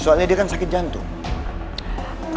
soalnya dia kan sakit jantung